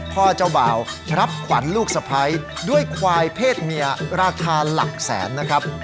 เจ้าบ่าวรับขวัญลูกสะพ้ายด้วยควายเพศเมียราคาหลักแสนนะครับ